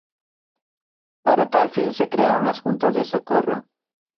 Para tal fin se crearon las Juntas de Socorro.